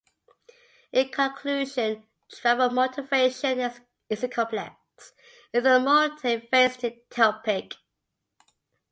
In conclusion, travel motivation is a complex and multifaceted topic.